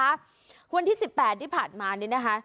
วันที่สิบแปดที่ผ่านมาเนี่ยนะคะ